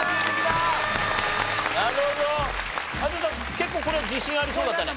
結構これ自信ありそうだったね。